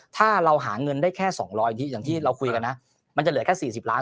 ถ้าเราหาเงินได้แค่๒๐๐อย่างที่เราคุยกันนะมันจะเหลือแค่๔๐ล้าน